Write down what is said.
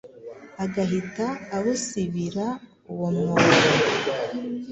agahita awusibira uwo mwobo